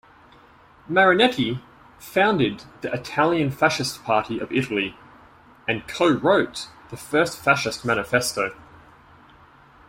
Marinetti founded the Italian Fascist Party of Italy, and co-wrote the first Fascist manifesto.